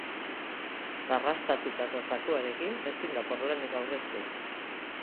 Zarrastatutako zakuarekin ezin da porlanik aurreztu.